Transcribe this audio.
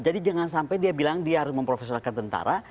jadi jangan sampai dia bilang dia harus memprofesionalkan tentara